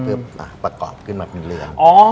เพื่อประกอบขึ้นมาเป็นเรือ